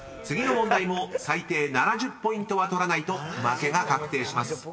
次の問題も最低７０ポイントは取らないと負けが確定します。